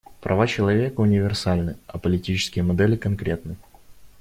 Права человека универсальны, а политические модели конкретны.